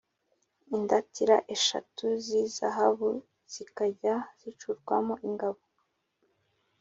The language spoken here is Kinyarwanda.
indatira eshatu z izahabu zikajya zicurwamo ingabo